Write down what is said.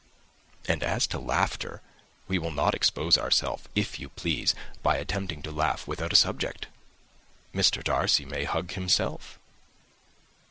And as to laughter, we will not expose ourselves, if you please, by attempting to laugh without a subject. Mr. Darcy may hug himself."